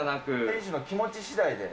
店主の気持ちしだいで。